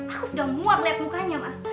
aku sudah muak lihat mukanya mas